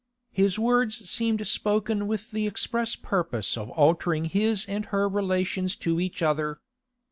His words seemed spoken with the express purpose of altering his and her relations to each other.